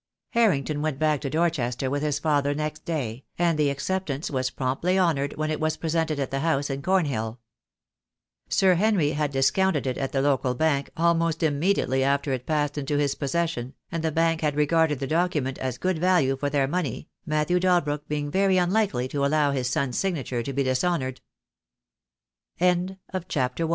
Harrington went back to Dorchester with his father next day, and the acceptance was promptly honoured when it was presented at the house in Cornhill. Sir Henry had discounted it at the local bank almost immediately after it passed into his possession, and the bank had regarded the document as good value for their money, Matthew Dalbrook being very unlikely to allo